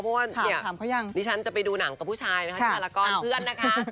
ก็ถามเค้าเพราะว่านี่ฉันจะไปดูหนังกับผู้ชายนี่บารกรเพื่อนนะคะ